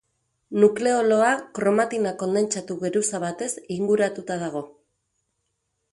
Nukleoloa kromatina kondentsatu geruza batez inguratuta dago.